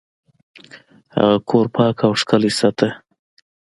هغه کور پاک او ښکلی ساته.